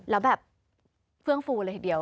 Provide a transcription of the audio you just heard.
แล้วแบบเฟื่องฟูเลยทีเดียว